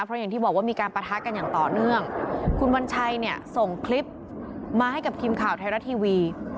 เพราะอย่างที่บอกว่ามีการปะทะกันอย่างต่อเนื่องคุณวัญชัยเนี่ยส่งคลิปมาให้กับทีมข่าวไทยรัฐทีวี